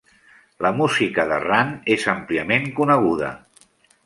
La música de Rand és àmpliament coneguda.